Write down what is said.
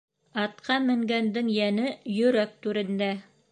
Атҡа менгәндең йәне йөрәк түрендә.